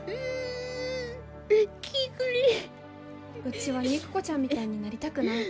うちは肉子ちゃんみたいになりたくない。